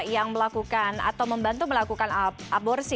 yang melakukan atau membantu melakukan aborsi